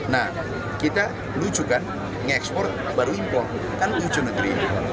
nah kita lucukan ngekspor baru impor